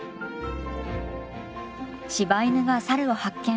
柴犬がサルを発見！